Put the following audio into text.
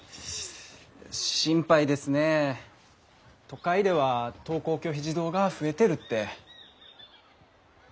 都会では登校拒否児童が増えてるって。